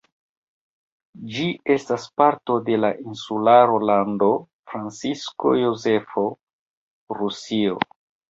Ĝi estas parto de la insularo Lando Francisko Jozefo, Rusio.